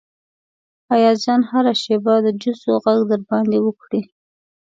ایاز جان هره شیبه د جوسو غږ در باندې وکړي.